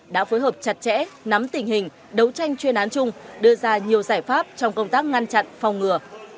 đã phối hợp chặt chẽ nắm tình hình đấu tranh chuyên án chung đưa ra nhiều giải pháp trong công tác ngăn chặn phòng ngừa